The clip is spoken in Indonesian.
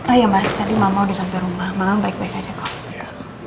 ah ya mas tadi mama udah sampai rumah mama baik baik aja kok